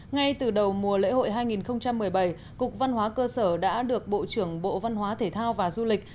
ngay từ đầu mùa lễ hội hai nghìn một mươi bảy cục văn hóa cơ sở đã được bộ trưởng bộ văn hóa thể thao và du lịch